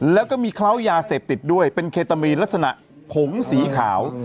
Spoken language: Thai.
แล้วก็มีเคล้ายาเสพติดด้วยเป็นเคตามีนลักษณะผงสีขาว